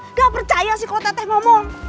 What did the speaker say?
nggak percaya sih kalau teteh ngomong